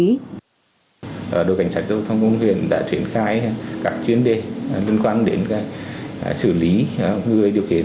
đội cảnh sát giao thông công an huyện đã triển khai các chuyên đề liên quan đến xử lý người điều khiển